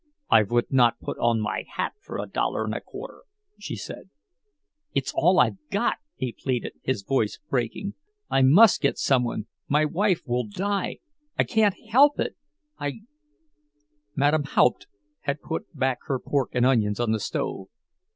"I vould not put on my hat for a dollar and a quarter," she said. "It's all I've got," he pleaded, his voice breaking. "I must get some one—my wife will die. I can't help it—I—" Madame Haupt had put back her pork and onions on the stove.